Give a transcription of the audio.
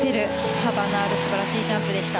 幅のある素晴らしいジャンプでした。